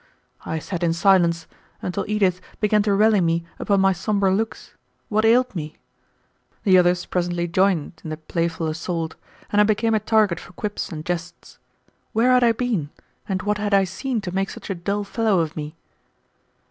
I sat in silence until Edith began to rally me upon my sombre looks, What ailed me? The others presently joined in the playful assault, and I became a target for quips and jests. Where had I been, and what had I seen to make such a dull fellow of me?